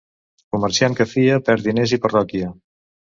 Comerciant que fia perd diners i parroquià.